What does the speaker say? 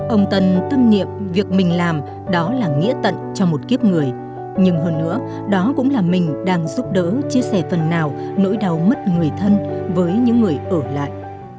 ông tân tâm niệm việc mình làm đó là nghĩa tận cho một kiếp người nhưng hơn nữa đó cũng là mình đang giúp đỡ chia sẻ phần nào nỗi đau mất người thân với những người ở lại